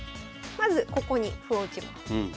まずここに歩を打ちます。